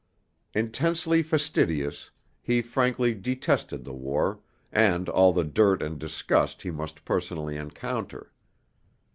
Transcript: Intensely fastidious, he frankly detested the war, and all the dirt and disgust he must personally encounter.